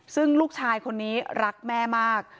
ซึ่งลูกชายคนนี้รักแม่มาก